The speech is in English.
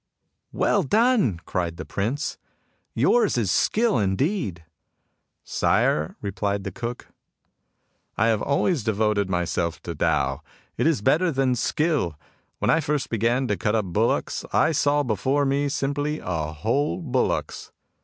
" Well done I " cried the Prince ;" yours is skill indeed." "Sire," replied the cook, "I have always 51 52 MUSINGS OF A CHINESE MYSTIC devoted myself to Tao. It is better than skill. When I first began to cut up bullocks, I saw before me simply whole bullocks.